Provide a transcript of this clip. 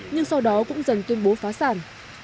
nhưng sau đó cũng dần tuyên bố phá sản